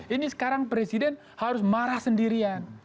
ini sekarang presiden harus marah sendirian